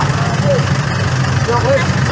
รถมันต่อไปเสียเนอะ